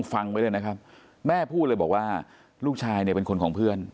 ฟังไว้เลยนะครับแม่พูดเลยบอกว่าลูกชายเนี่ยเป็นคนของเพื่อน